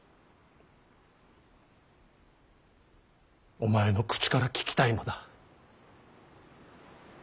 お前の口から聞きたいのだ。